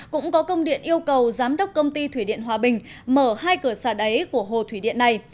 cũng có công điện yêu cầu giám đốc công ty thủy điện hòa bình mở hai cửa xả đáy của hồ thủy điện này